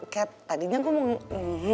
kat tadinya gue mau